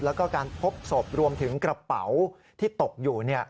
แล้วก็การพบศพรวมถึงกระเป๋าที่ตกอยู่